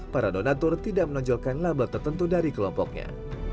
para donatur tidak menonjolkan label tertentu dari kelompoknya